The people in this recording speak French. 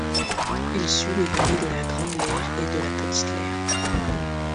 Il suit les vallées de la Grande Leyre et de la Petite Leyre.